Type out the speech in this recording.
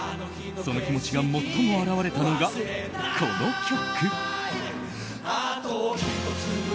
その気持ちが最も表れたのがこの曲。